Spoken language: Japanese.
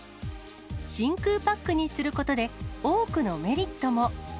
真空パックにすることで、多くのメリットも。